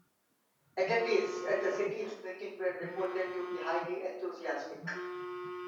Attendees at the city's meeting were reported to be highly enthusiastic.